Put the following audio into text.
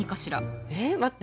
え待って。